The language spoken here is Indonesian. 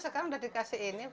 oh sekarang udah dikasih ini